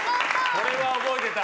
これは覚えてた。